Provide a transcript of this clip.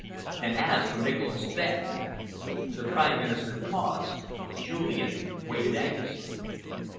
And as for Nicholas Fenn " The Prime Minister paused. Julian waited anxiously.